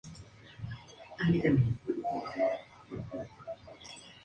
Los lugares más extremos son los polos, donde el Sol es visible medio año.